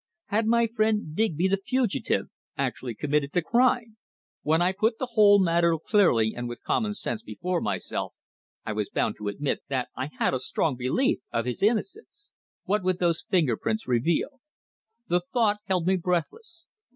Had my friend Digby, the fugitive, actually committed the crime? When I put the whole matter clearly and with common sense before myself, I was bound to admit that I had a strong belief of his innocence. What would those finger prints reveal? The thought held me breathless.